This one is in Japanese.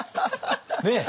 ねえ？